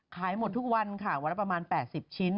ขายหมดทุกวันค่ะวันละประมาณ๘๐ชิ้น